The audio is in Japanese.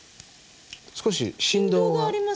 少し振動がある。